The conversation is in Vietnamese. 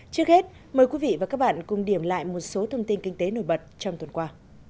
trước hết mời quý vị và các bạn cùng điểm lại một số thông tin kinh tế nổi bật trong tuần qua